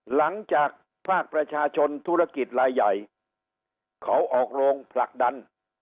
หลังจากภาคประชาชนธุรกิจลายใหญ่เขาออกโรงผลักดัน